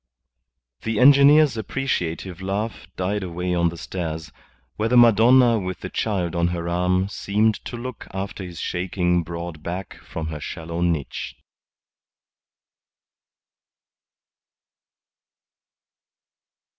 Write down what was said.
The engineer's appreciative laugh died away down the stairs, where the Madonna with the Child on her arm seemed to look after his shaking broad back from her shallow niche.